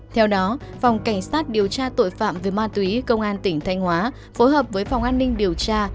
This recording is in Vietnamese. theo đó phòng cảnh sát điều tra tội phạm về ma túy công an tỉnh thanh hóa phối hợp với phòng an ninh điều tra